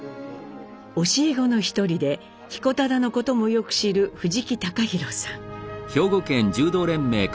教え子の一人で彦忠のこともよく知る藤木崇博さん。